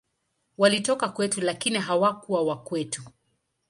Walitoka kwetu, lakini hawakuwa wa kwetu.